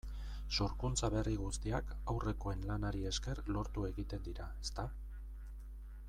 Sorkuntza berri guztiak aurrekoen lanari esker lortu egiten dira, ezta?